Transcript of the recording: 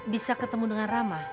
bisa ketemu dengan rama